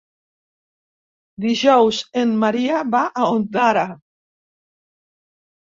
Dijous en Maria va a Ondara.